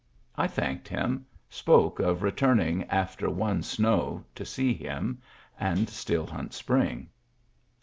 I thanked him, spoke of returning "after one snow" to see him and Still Hunt Spring.